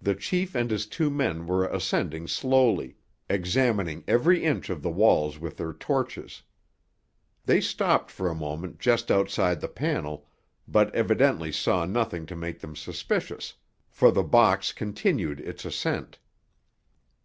The chief and his two men were ascending slowly, examining every inch of the walls with their torches. They stopped for a moment just outside the panel, but evidently saw nothing to make them suspicious, for the box continued its ascent.